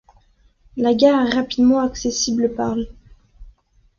La gare est rapidement accessible par l'.